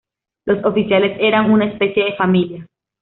Los oficiales eran una especie de familia.